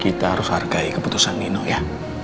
kita harus hargai keputusan nino ya